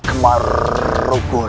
gusti prabu amkmar rukul